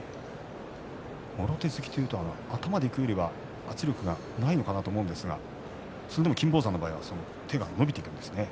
もろ手突きというと頭でいくよりは圧力がないのかなと思いますがそれでも金峰山の場合は手が伸びていくんですね。